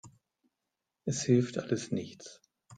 Es hilft alles nichts.